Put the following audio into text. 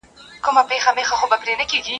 يو څه ژرنده پڅه وه، يو څه غنم لانده وه.